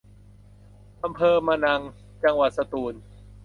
อำเภอมะนัง จังหวัดสตูล